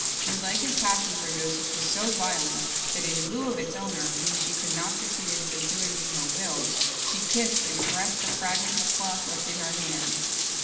Zuleika's passion for Joseph was so violent that, in lieu of its owner, whom she could not succeed in subduing to her will, she kissed and caressed the fragment of cloth left in her hand.